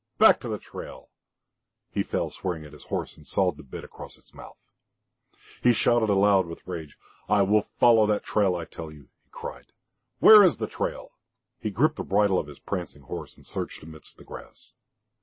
Back to the trail!" He fell swearing at his horse and sawed the bit across its mouth. He shouted aloud with rage. "I will follow that trail, I tell you!" he cried. "Where is the trail?" He gripped the bridle of his prancing horse and searched amidst the grass.